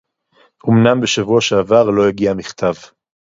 אמנם בשבוע שעבר לא הגיע מכתב